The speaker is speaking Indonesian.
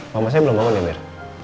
mama saya belum bangun ya ber